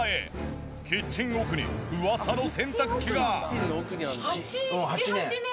キッチン奥にうわさの洗濯機が。